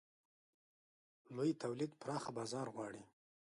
لوی تولید پراخه بازار غواړي.